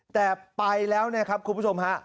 แต่ไปแล้วเนี่ยครับคุณผู้ชมฮะ